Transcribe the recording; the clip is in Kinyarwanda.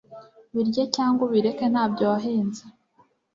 Birye cyangwa ubireke nta byo wahinze.